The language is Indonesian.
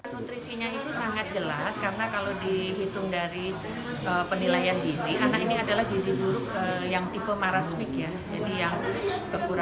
nutrisinya ini sangat jelas karena kalau dihitung dari penilaian gizi